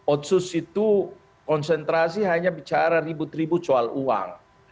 otsus itu konsentrasi hanya bicara ribut ribut soal uang